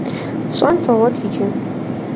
СщӀэн согъуэт иджы.